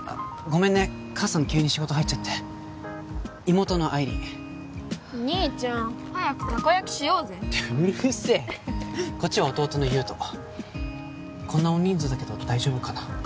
ごめんね母さん急に仕事入っちゃって妹の愛理兄ちゃん早くたこ焼きしようぜうるせえこっちは弟の有人こんな大人数だけど大丈夫かな？